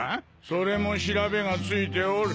それも調べがついておる。